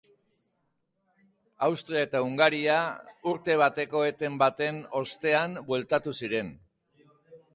Austria eta Hungaria urte bateko eten baten ostean bueltatu ziren.